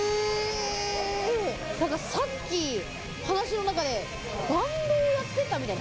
さっき話の中でバンドをやってたみたいな。